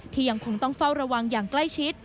ยังคงต้องเฝ้าระวังอย่างใกล้ชิด